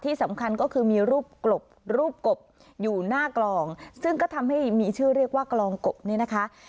ที่สำคัญก็คือมีรูปกลบรูปกบอยู่หน้ากลองซึ่งก็ทำให้มีชื่อเรียกว่ากลองกบเนี่ยนะคะ